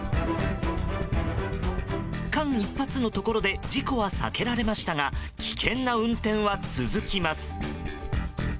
間一髪のところで事故は避けられましたが危険な運転は続きます。